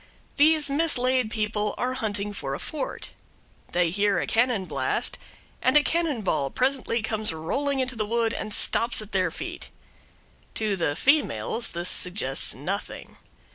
These mislaid people are hunting for a fort. They hear a cannonblast, and a cannon ball presently comes rolling into the wood and stops at their feet. To the females this suggests nothing.